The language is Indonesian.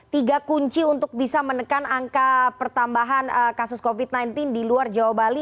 tiga kunci untuk bisa menekan angka pertambahan kasus covid sembilan belas di luar jawa bali